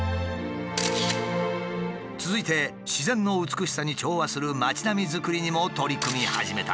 続いて自然の美しさに調和する町並みづくりにも取り組み始めた。